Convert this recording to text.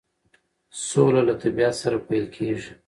سوله له طبیعت سره پیل کیږي.